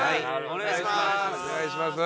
お願いします。